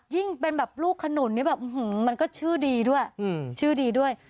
ยิ่งเป็นแบบลูกขนุนมันก็ชื่อดีด้วย